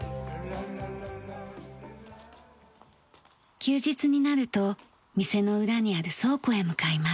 休日になると店の裏にある倉庫へ向かいます。